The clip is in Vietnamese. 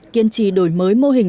kiên trì đổi mới mô hình